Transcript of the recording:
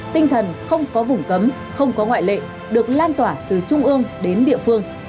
tinh thần không có vùng cấm không có ngoại lệ được lan tỏa từ trung ương đến địa phương